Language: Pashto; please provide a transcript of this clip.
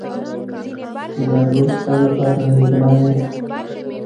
دا ګل ستا لپاره دی ګرانې!